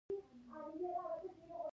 شريف ځواب ونه وايه.